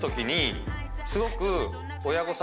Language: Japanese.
すごく。